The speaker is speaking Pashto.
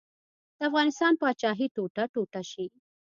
د افغانستان پاچاهي ټوټه ټوټه شي.